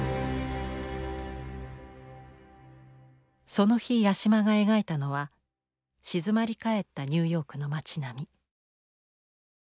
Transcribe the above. その日八島が描いたのは静まり返ったニューヨークの町並み。